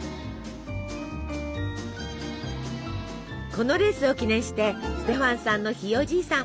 このレースを記念してステファンさんのひいおじいさん